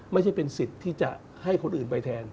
ไม่ใช่เป็นสิทธิ์ที่จะให้คนอื่นไปแทน